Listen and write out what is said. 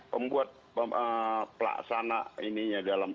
pembuat pelaksana ini dalam